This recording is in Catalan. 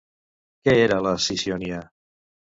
Què era la Siciònia?